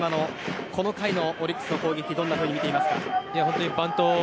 この回のオリックスの攻撃をどんなふうに見ていますか。